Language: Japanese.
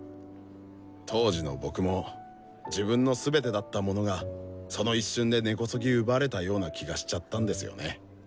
当時の僕も自分のすべてだったものがその一瞬で根こそぎ奪われたような気がしちゃったんですよね。